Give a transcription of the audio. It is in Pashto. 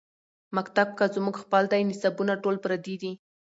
مکتب کۀ زمونږ خپل دے نصابونه ټول پردي دي